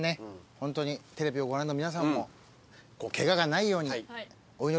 ホントにテレビをご覧の皆さんもケガがないようにお祈りしております。